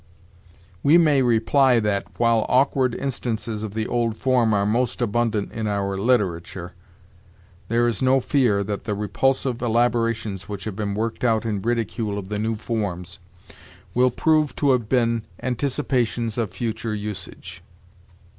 "' We may reply that, while awkward instances of the old form are most abundant in our literature, there is no fear that the repulsive elaborations which have been worked out in ridicule of the new forms will prove to have been anticipations of future usage.